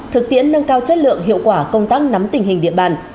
thực tiễn nâng cao chất lượng hiệu quả công tác nắm tình hình địa bàn